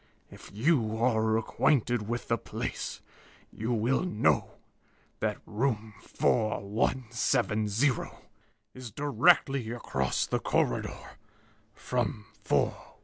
If you are acquainted with the place, you will know that room 4170 is directly across the corridor from 4167."